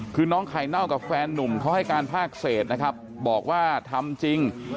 คือน้องไข่เน่ากับแฟนนุ่มเขาให้การภาคเศษนะครับบอกว่าทำจริง